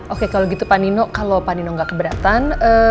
oke kalau gitu panino kalau panino gak keberatan